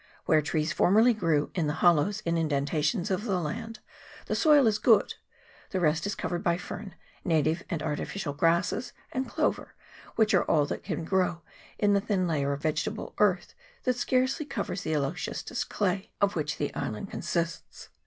Where trees formerly grew, in the hollows and indentations of the land, the soil is good; the rest is covered by fern, native and artificial grasses, and clover, which are all that can grow in the thin layer of vegetable earth that scarcely covers the yellow schistous clay of which the island consists.